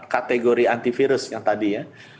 kategori antivirus yang tadi ya